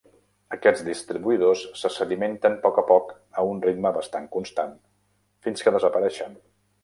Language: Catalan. Aquests distribuïdors se sedimenten poc a poc a un ritme bastant constant fins que desapareixen.